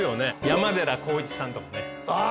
山寺宏一さんとかねああ！